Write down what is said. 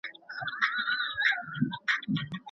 ځينې عرفونه د نکاح د ځنډ سبب سول.